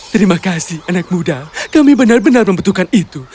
terima kasih anak muda kami benar benar membutuhkan itu